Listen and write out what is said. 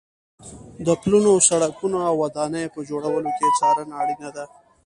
د پلونو، سړکونو او ودانیو په جوړولو کې څارنه اړینه ده.